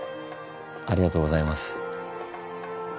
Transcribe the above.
ありがとうございます。